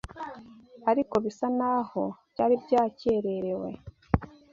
ariko bisa n’aho byari byakererewe